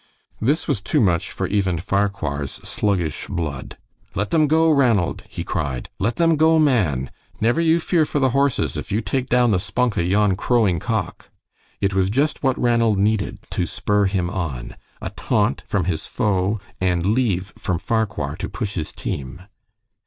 This was too much for even Farquhar's sluggish blood. "Let them go, Ranald!" he cried. "Let them go, man! Never you fear for the horses, if you take down the spunk o' yon crowing cock." It was just what Ranald needed to spur him on a taunt from his foe and leave from Farquhar to push his team.